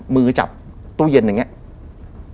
มือจับตู้เย็นอย่างนี้